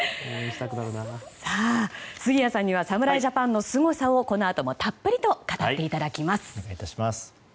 杉谷さんには侍ジャパンのすごさをこのあともたっぷりと語っていただきます。